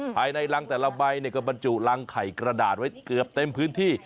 ภายในรังแต่ละใบก็บรรจุรังไข่กระดาษไว้เกือบเต็มพื้นที่